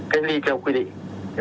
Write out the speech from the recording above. cách ly theo quy định